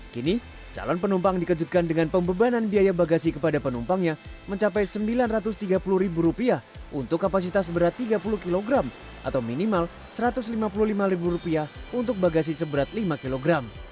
kini calon penumpang dikejutkan dengan pembebanan biaya bagasi kepada penumpangnya mencapai rp sembilan ratus tiga puluh untuk kapasitas berat tiga puluh kg atau minimal rp satu ratus lima puluh lima untuk bagasi seberat lima kg